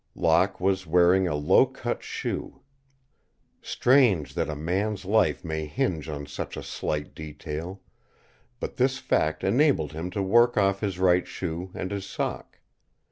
Locke was wearing a low cut shoe. Strange that a man's life may hinge on such a slight detail, but this fact enabled him to work off his right shoe and his sock.